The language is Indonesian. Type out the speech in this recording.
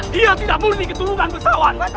dia tidak boleh keturunan pesawat